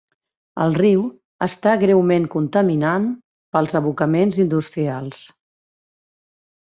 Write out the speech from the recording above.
El riu està greument contaminant pels abocaments industrials.